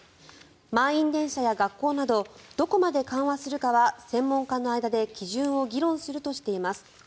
満員電車や学校などどこまで緩和するかは専門家の間で基準を議論するとしています。